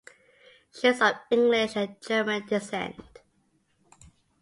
She is of English and German descent.